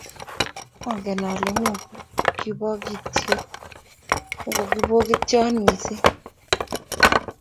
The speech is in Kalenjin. Mangen ale muku kibokityon mising